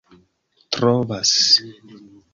trovas